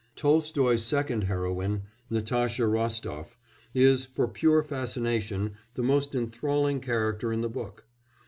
Tolstoy's second heroine, Natasha Rostof, is, for pure fascination, the most enthralling character in the book.